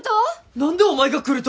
何でお前が来ると？